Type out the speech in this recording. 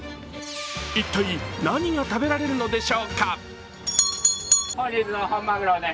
一体、何が食べられるのでしょうか。